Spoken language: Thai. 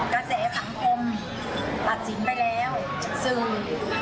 กระแส๓คมตัดสินไปแล้วซึบ